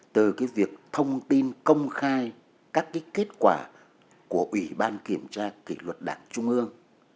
từ việc thông tin công khai các kết quả của ủy ban kiểm tra kỷ luật đảng trung ương